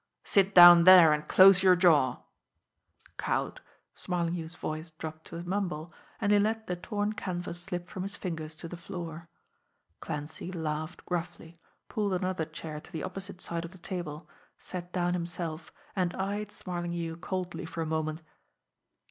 "Sit down there, and close your jaw!" Cowed, Smarlinghue's voice dropped to a mumble, and he let the torn canvas slip from his fingers to the floor. Clancy laughed gruffly, pulled another chair to the opposite side of the table, sat down himself, and eyed Smarlinghue coldly for a moment.